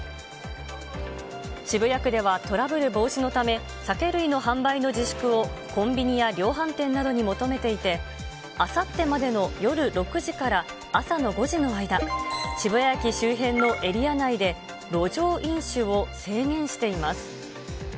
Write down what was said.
渋谷区ではトラブル防止のため、酒類の販売の自粛をコンビニや量販店などに求めていて、あさってまでの夜６時から朝の５時の間、渋谷駅周辺のエリア内で、路上飲酒を制限しています。